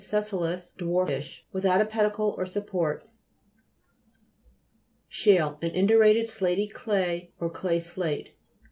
sessilis, dwarfish. Without a pedicle or support. SHALE An indurated slaty clay, or clay slate.